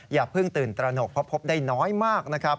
อย่าเพิ่งตื่นตระหนกเพราะพบได้น้อยมากนะครับ